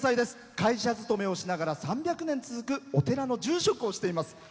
会社勤めをしながら３００年続くお寺の住職をしています。